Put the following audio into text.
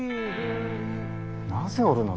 なぜおるのだ？